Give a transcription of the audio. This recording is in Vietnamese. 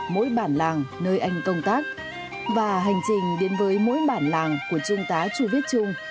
mỗi bản làng nơi anh công tác và hành trình đến với mỗi bản làng của trung tá chu viết trung